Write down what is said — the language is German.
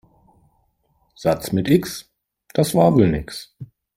Satz mit X, das war wohl nix.